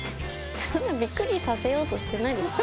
そんなビックリさせようとしてないですよ。